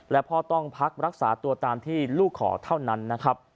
และพ่อต้องพักรักษาตัวตามที่ลูกขอเท่านั้นนะครับ